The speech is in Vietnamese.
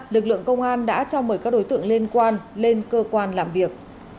lực lượng công an đã cho mời các đối tượng liên quan lên cơ quan làm việc